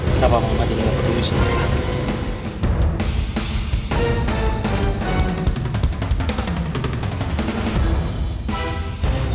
kenapa mau mati dengan perduis ini